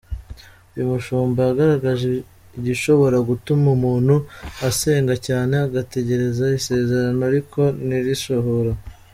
Uyu mushumba yagaragaje igishobora gutuma umuntu asenga cyane agategereza isezerano ariko ntirisohore.